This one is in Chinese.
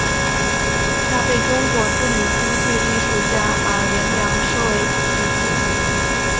她被中国著名京剧艺术家马连良收为女弟子。